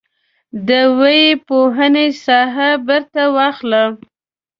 د ويي پوهنې ساحه بیرته واخله.